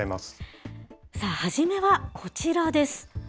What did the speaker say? さあ初めは、こちらです。